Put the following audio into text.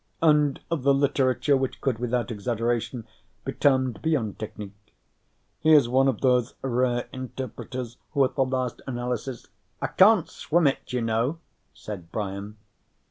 _ "and of the literature which could, without exaggeration, be termed beyond technique. He is one of those rare interpreters who at the last analysis " "I can't swim it, you know," said Brian.